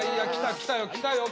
来たよ来たよ！